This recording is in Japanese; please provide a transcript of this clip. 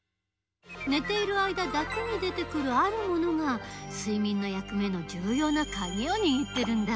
寝ている間だけに出てくるあるものが睡眠の役目のじゅうようなカギをにぎってるんだ。